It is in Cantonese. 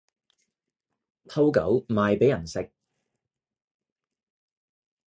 偷狗賣畀人食